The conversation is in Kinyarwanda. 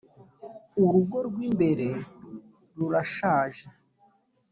urugo rw ‘imbere rurashaje.